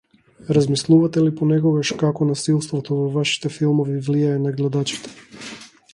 Размислувате ли понекогаш како насилството во вашите филмови влијае на гледачите?